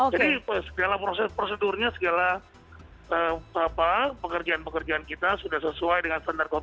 jadi segala prosedurnya segala pekerjaan pekerjaan kita sudah sesuai dengan standar covid sembilan belas